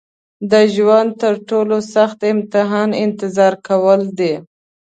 د ژوند تر ټولو سخت امتحان انتظار کول دي.